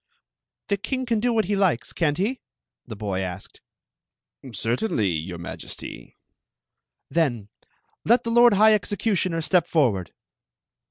"The king can do what he likes, can't he?" the boy asked. " Certainly, your M^^sty." "Then let ^ Mi k%h executimier step ^orv.^ird